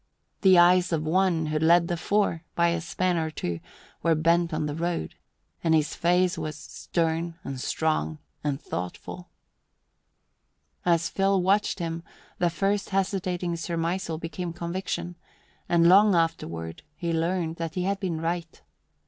The eyes of one, who led the four by a span or two, were bent on the road, and his face was stern and strong and thoughtful. As Phil watched him, the first hesitating surmisal became conviction, and long afterward he learned that he had been right.